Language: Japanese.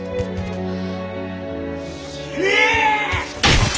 死ね！